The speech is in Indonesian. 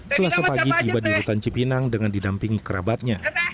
selasa pagi tiba di rutan cipinang dengan didampingi kerabatnya